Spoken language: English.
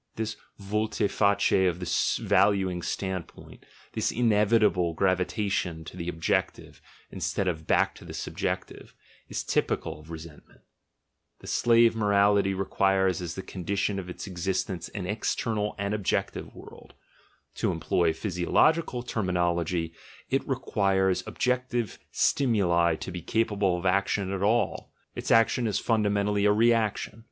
This volte face of the valuing standpoint — this inevitable gravitation to the ob jective instead of back to the subjective — is typical of resentment": the slave morality requires as the condi tion of its existence an external and objective world, to employ physiological terminology, it requires objective stimuli to be capable of action at all — its action is fun damentally a reaction.